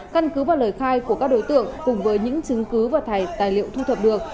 căn cứ vào lời khai của các đối tượng cùng với những chứng cứ và tài liệu thu thập được